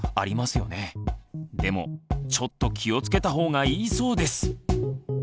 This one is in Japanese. でもちょっと気をつけた方がいいそうです。